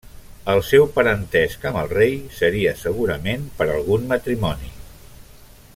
El seu parentesc amb el rei seria segurament per algun matrimoni.